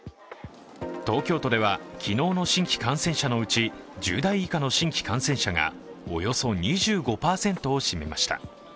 東京都では昨日の新規感染者のうち１０代以下の新規感染者がおよそ２５％を占めました。